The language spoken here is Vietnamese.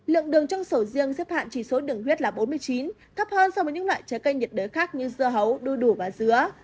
lượng đường trong sầu riêng xếp hạn chỉ số đường huyết là bốn mươi chín thấp hơn so với những loại trái cây nhiệt đới khác như dưa hấu đuôi đủ và dứa